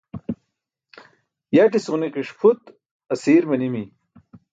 yaṭis ġunikiṣ phut asiir manibi